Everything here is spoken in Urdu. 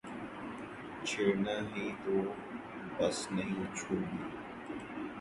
چھیڑنا ہی تو بس نہیں چھو بھی